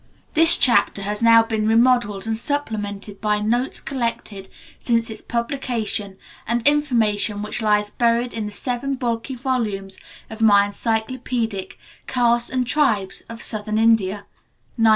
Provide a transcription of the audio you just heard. This chapter has now been remodelled, and supplemented by notes collected since its publication, and information which lies buried in the seven bulky volumes of my encyclopædic "Castes and Tribes of Southern India" (1909).